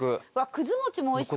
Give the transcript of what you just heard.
くず餅もおいしそう。